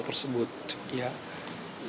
dan tidak menoleransi tindakan pelecehan seksual